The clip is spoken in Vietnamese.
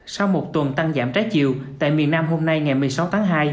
sau một tuần tăng giảm trái chiều tại miền nam hôm nay ngày một mươi sáu tháng hai